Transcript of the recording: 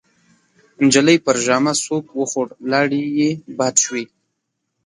نجلۍ پر ژامه سوک وخوړ، لاړې يې باد شوې.